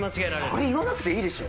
それ言わなくていいでしょ！